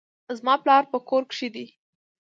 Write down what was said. زما پلار په کور کښي دئ.